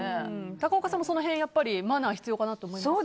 高岡さんもその辺りマナーが必要かなと思いますか？